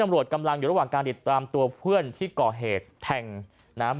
ตำรวจกำลังอยู่ระหว่างการติดตามตัวเพื่อนที่ก่อเหตุแทงนะครับ